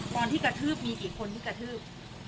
ตอนที่กระทืบมีกี่คนที่กระทืบ